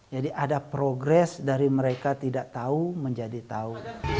jadi ada progres dari mereka tidak tahu menjadi tahu